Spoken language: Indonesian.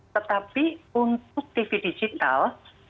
tetapi untuk tv digital